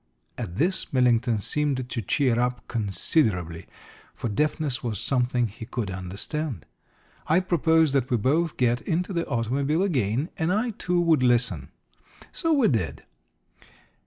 At this Millington seemed to cheer up considerably, for deafness was something he could understand. I proposed that we both get into the automobile again, and I, too, would listen. So we did.